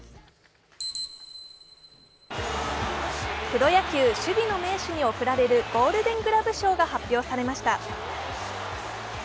プロ野球、守備の名手に贈られるゴールデングラブ賞が発表されました。